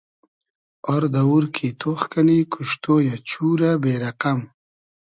آر دئوور کی تۉخ کئنی کوشتۉ یۂ , چورۂ بې رئقئم